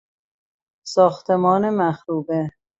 ساختمان مخروبه